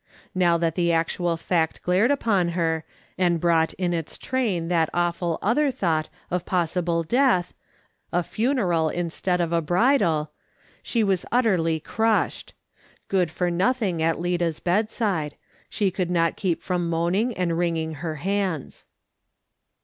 Now that the actual fact glared upon her, and brought in its train that other awful thought of possible death, a funeral instead of a bridal, she was utterly crushed ; good for nothing at Lida's bedside ; she could not keep from moaning and wringing her hands.